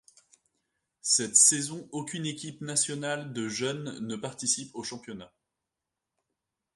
Cette saison, aucune équipe nationale de jeunes ne participe au championnat.